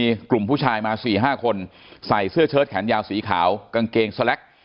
มีกลุ่มผู้ชายมาสี่ห้าคนใส่เสื้อเชิดแขนยาวสีขาวกางเกงสแล็ก